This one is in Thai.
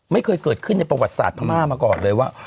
ไม่เคยเกิดขึ้นในประวัติศาสตร์พม่ามาก่อนเลยว่า